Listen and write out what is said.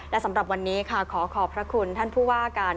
และสำหรับวันนี้ค่ะขอขอบพระคุณท่านผู้ว่าการ